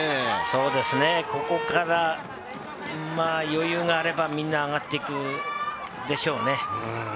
そうですね、ここから余裕があれば、みんな上がっていくでしょうね。